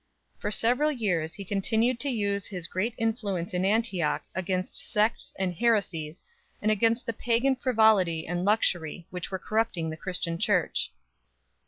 For several years he continued to use iris great Influence in Antioch against sects and heresies and against the pagan frivolity and luxury which were corrupting the Christian Church.